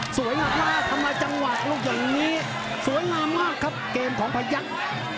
หนักมากทำไมจังหวะลูกอย่างนี้สวยงามมากครับเกมของพยักษ์